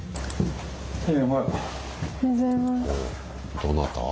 どなた？